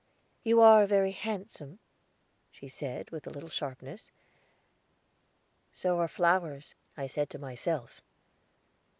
"You are very handsome," she said, with a little sharpness. "So are flowers," I said to myself.